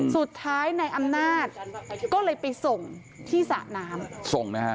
สุดท้ายนายอำนาจก็เลยไปส่งที่สระน้ำ